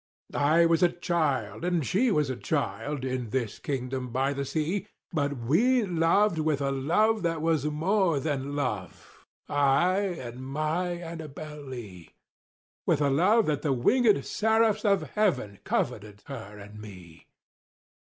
I was a child and She was a child, In this kingdom by the sea, But we loved with a love that was more than love— I and my ANNABEL LEE— With a love that the wingéd seraphs of Heaven Coveted her and me.